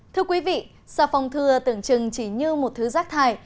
thưa quý vị sà phòng thừa tưởng chừng chỉ như một thứ rác thai